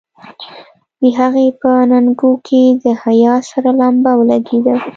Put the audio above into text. د هغې په اننګو کې د حيا سره لمبه ولګېده.